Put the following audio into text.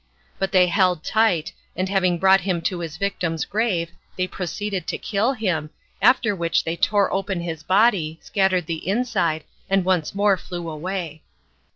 But they held tight, and having brought him to his victim's grave, they proceeded to kill him, after which they tore open his body, scattered the inside and once more flew away.